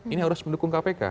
ini harus mendukung kpk